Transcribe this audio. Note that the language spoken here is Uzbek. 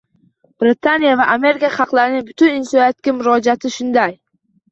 Britaniya va Amerika xalqlarining butun insoniyatga murojaati shunday